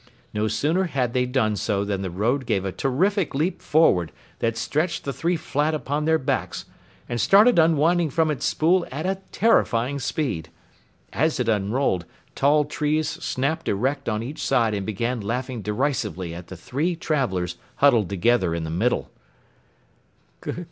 No sooner had they done so than the road gave a terrific leap forward that stretched the three flat upon their backs and started unwinding from its spool at a terrifying speed. As it unrolled, tall trees snapped erect on each side and began laughing derisively at the three travelers huddled together in the middle.